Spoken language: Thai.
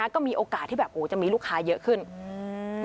ก็มีโอกาสที่แบบโอ้จะมีลูกค้าเยอะขึ้นอืม